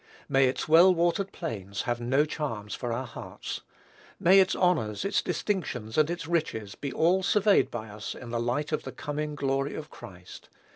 May its well watered plains have no charms for our hearts. May its honors, its distinctions, and its riches, be all surveyed by us in the light of the coming glory of Christ.